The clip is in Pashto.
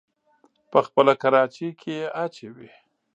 په خپله کراچۍ کې يې اچوي.